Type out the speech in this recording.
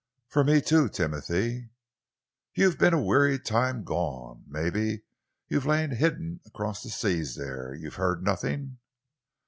"For me, too, Timothy!" "You've been a weary time gone. Maybe you've lain hidden across the seas there you've heard nothing."